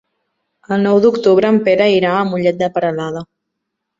El nou d'octubre en Pere irà a Mollet de Peralada.